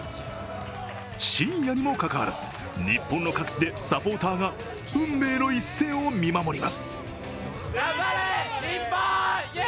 深夜にもかかわらず日本の各地でサポーターが運命の一戦を見守ります。